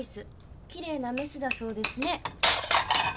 きれいなメスだそうですね。